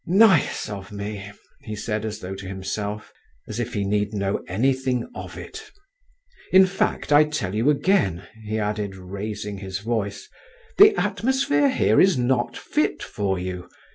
"Nice of me!" he said as though to himself, "as if he need know anything of it. In fact, I tell you again," he added, raising his voice, "the atmosphere here is not fit for you.